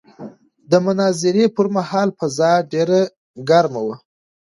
د مناظرې پر مهال فضا ډېره ګرمه وه.